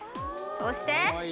そして。